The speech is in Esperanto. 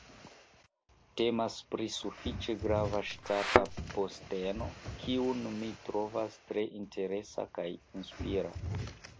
Temas pri sufiĉe grava ŝtata posteno, kiun mi trovas tre interesa kaj inspira.